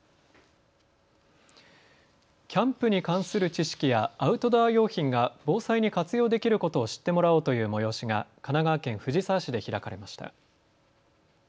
キャンプに関する知識やアウトドア用品が防災に活用できることを知ってもらおうという催しが神奈川県藤沢市で開かれました。